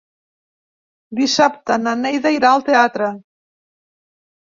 Dissabte na Neida irà al teatre.